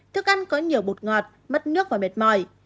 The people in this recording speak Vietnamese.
thức ăn có nhiều bột ngọt mất nước và mệt mỏi